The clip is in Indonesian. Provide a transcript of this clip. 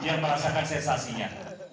dia merasakan sensasinya